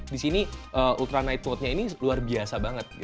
di sini ultra night vote nya ini luar biasa banget